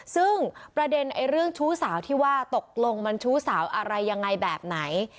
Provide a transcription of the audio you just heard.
ซึ่งประเด็นเรื่องชู้สาวที่ว่าตกลงมันชู้สาวอะไรยังไงแบบไหน